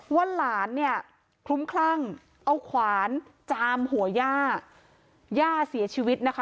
ว่าหลานเนี่ยคลุ้มคลั่งเอาขวานจามหัวย่าย่าเสียชีวิตนะคะ